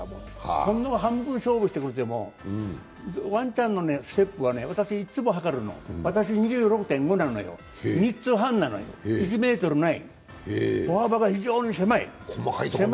その半分勝負してくれても、ワンちゃんのステップは、私いつも測るの、私、２６．５なの、３つ半なのよ、１ｍない。